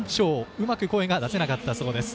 うまく声が出せなかったそうです。